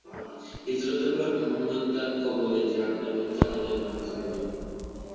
হিজরতের পর মুহাম্মাদ তার কবরে যান এবং জানাজার নামাজ পড়েন।